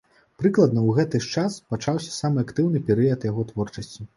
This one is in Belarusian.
Прыкладна ў гэты ж час пачаўся самы актыўны перыяд яго творчасці.